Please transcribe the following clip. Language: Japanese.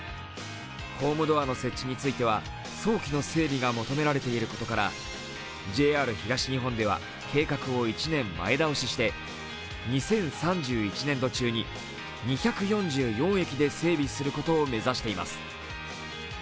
ホームドアの設置については早期の整備が求められていることからＪＲ東日本では計画を１年前倒しして２０３１年度中に２４４駅で整備することを目指しています。